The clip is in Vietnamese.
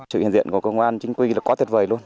sự hiện diện của công an chính quy là quá tuyệt vời luôn